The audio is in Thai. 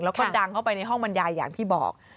แล้วก็ดังเข้าไปในห้องบรรยายอย่างที่บอก